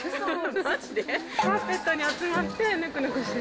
カーペットに集まってぬくぬくしてる。